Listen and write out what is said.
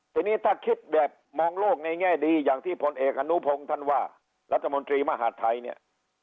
ทีนี้ถ้าคิดแบบมองโลกในแง่ดีอย่างที่พลเอกอนุพงศ์ท่านว่ารัฐมนตรีมหาดไทยเนี่ย